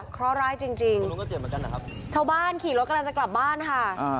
เพราะร้ายจริงจริงชาวบ้านขี่รถกำลังจะกลับบ้านค่ะ